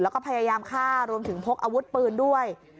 แล้วก็พยายามฆ่ารวมถึงพกอาวุธปืนด้วย